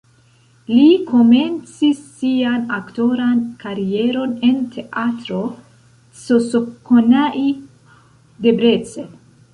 Li komencis sian aktoran karieron en Teatro Csokonai (Debrecen).